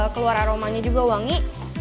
keluar aromanya juga wangi